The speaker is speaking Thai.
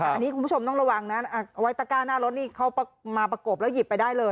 อันนี้คุณผู้ชมต้องระวังนะเอาไว้ตะก้าหน้ารถนี่เขามาประกบแล้วหยิบไปได้เลย